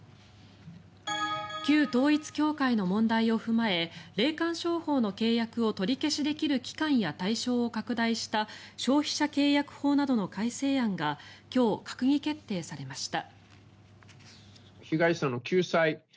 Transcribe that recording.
旧統一教会の問題を踏まえ霊感商法の契約を取り消しできる期間や対象を拡大した消費者契約法などの改正案が今日閣議決定されました。